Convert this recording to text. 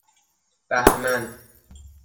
بَهمن